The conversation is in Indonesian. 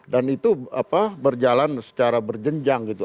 dan itu berjalan secara berjenjang gitu